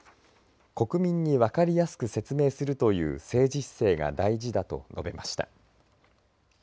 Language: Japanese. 国民に分かりやすく説明するという政治姿勢が大事だと述べました。